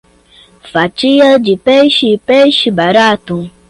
Fatia de peixe, peixe barato.